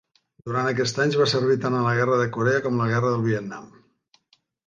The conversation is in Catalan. Durant aquests anys, va servir tant en la guerra de Corea com en la guerra del Vietnam.